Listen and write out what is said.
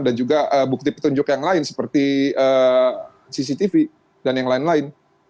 dan juga bukti petunjuk yang lain seperti cctv dan yang lain lain